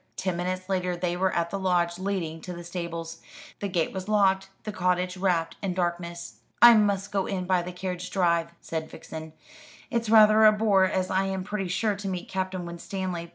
Ten minutes later they were at the lodge leading to the stables. The gate was locked, the cottage wrapped in darkness. "I must go in by the carriage drive," said Vixen. "It's rather a bore, as I am pretty sure to meet Captain Winstanley.